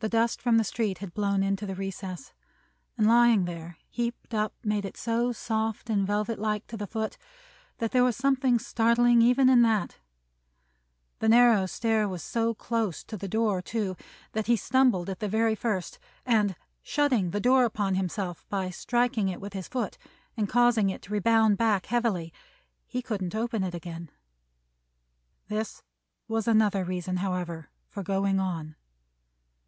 The dust from the street had blown into the recess; and lying there, heaped up, made it so soft and velvet like to the foot, that there was something startling even in that. The narrow stair was so close to the door, too, that he stumbled at the very first; and shutting the door upon himself by striking it with his foot, and causing it to rebound back heavily, he couldn't open it again. This was another reason, however, for going on.